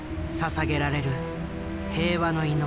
ささげられる平和の祈り。